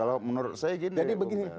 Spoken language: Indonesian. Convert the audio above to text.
kalau menurut saya gini